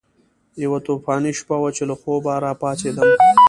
یوه طوفاني شپه وه چې له خوبه راپاڅېدم.